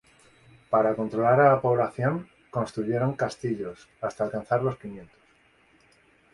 Para controlar a la población construyeron castillos, hasta alcanzar los quinientos.